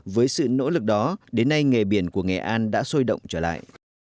với sự nỗ lực đó đến nay nghề biển của nghệ an đã sôi động trở lại